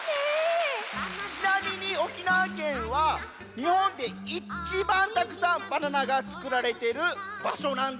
ちなみに沖縄県はにほんでいちばんたくさんバナナがつくられているばしょなんですよ。